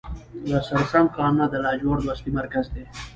د سرسنګ کانونه د لاجوردو اصلي مرکز دی.